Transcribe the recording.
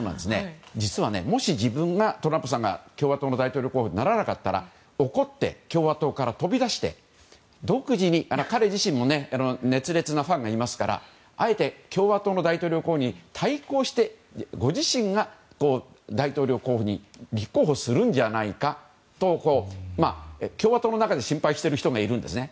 実はもし自分がトランプさんが共和党の大統領候補にならなかったら怒って共和党から飛び出して彼自身も熱烈なファンがいますからあえて共和党の大統領候補に対抗してご自身が大統領候補に立候補するんじゃないかと共和党の中で心配している人もいるんですね。